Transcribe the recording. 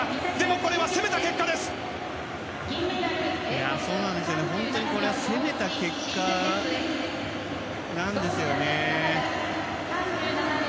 これは攻めた結果なんですよね。